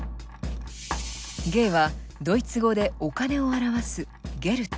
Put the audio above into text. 「Ｇ」はドイツ語でお金を表す「Ｇｅｌｄ」。